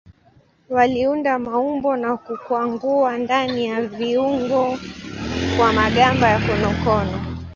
Waliunda maumbo na kukwangua ndani ya viungu kwa magamba ya konokono.